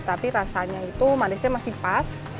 tapi rasanya itu manisnya masih pas